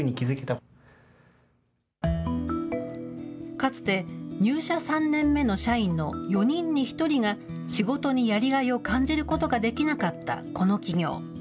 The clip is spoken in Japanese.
かつて、入社３年目の社員の４人に１人が、仕事にやりがいを感じることができなかったこの企業。